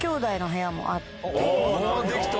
できた！